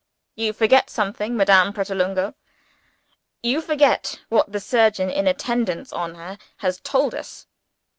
"You forget something, Madame Pratolungo. You forget what the surgeon in attendance on her has told us."